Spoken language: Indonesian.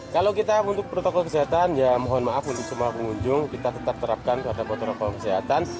kalau kita untuk protokol kesehatan ya mohon maaf untuk semua pengunjung kita tetap terapkan pada protokol kesehatan